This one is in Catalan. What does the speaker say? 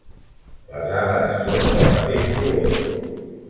Les ales són del mateix color.